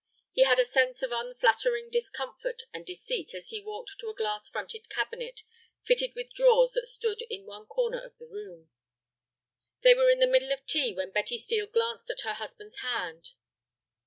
He had a sense of unflattering discomfort and deceit as he walked to a glass fronted cabinet fitted with drawers that stood in one corner of the room. They were in the middle of tea when Betty Steel glanced at her husband's hand.